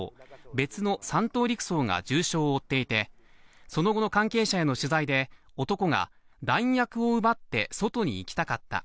別の３等陸曹が重傷を負っていて、その後の関係者への取材で男が弾薬を奪って外に行きたかった。